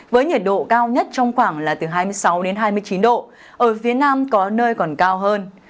với nhiệt độ cao nhất trong khoảng là từ hai mươi sáu hai mươi chín độ ở phía nam có nơi còn cao hơn